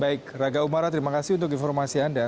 baik raga umara terima kasih untuk informasi anda